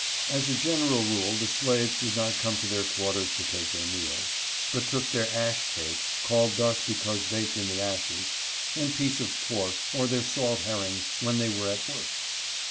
As a general rule the slaves did not come to their quar ters to take their meals, but took their ash cake (called thus because baked in the ashes) and piece of pork, or their salt herrings, where they were at work.